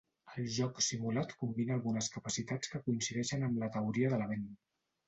El joc simulat combina algunes capacitats que coincideixen amb la teoria de la ment.